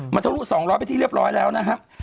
มันทะลุ๒๐๐ไปที่เรียบร้อยแล้วนะครับ